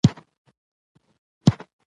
مړوندونه دې ښکلي وه